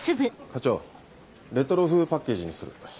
課長レトロ風パッケージにする。